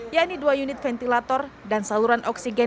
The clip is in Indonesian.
yaitu dua unit ventilator dan saluran oksigen